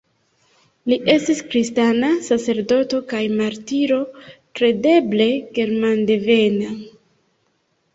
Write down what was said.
Li estis kristana sacerdoto kaj martiro, kredeble germandevena.